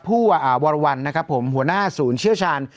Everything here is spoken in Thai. วรวรรณนะครับผมหัวหน้าศูนย์เชี่ยวชาญ